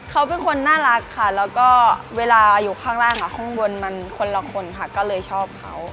เขาเป็นคนน่ารักค่ะแล้วก็เวลาอยู่ข้างล่างข้างบนมันคนละคนค่ะก็เลยชอบเขา